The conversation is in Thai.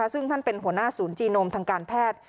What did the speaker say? ซึ่งท่านเป็นหัวหน้าศูนย์จีนมทางการแพทย์